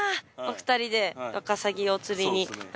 あお二人でワカサギを釣りに。